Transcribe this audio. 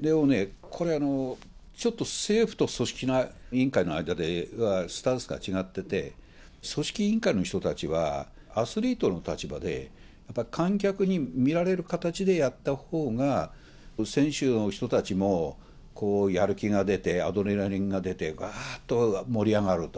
でもね、これ、ちょっと政府と組織委員会の間ではスタンスが違ってて、組織委員会の人たちはアスリートの立場で、やっぱり観客に見られる形でやったほうが、選手の人たちもやる気が出て、アドレナリンが出て、わーっと盛り上がると。